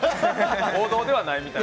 王道ではないみたいな。